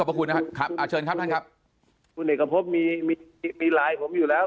ขอบคุณนะครับเชิญครับท่านครับคุณเอกภพมีไลน์ผมอยู่แล้ว